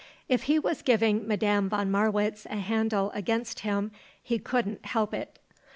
If he was giving Madame von Marwitz a handle against him he couldn't help it.